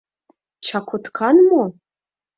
Чакоткан мо?